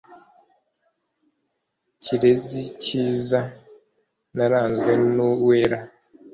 Kirezi kiza narazwe n'uwera